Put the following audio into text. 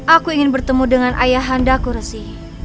aku ingin bertemu dengan ayahandaku resi